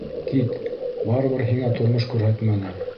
Кит. Барыбер һиңә тормош күрһәтмәне.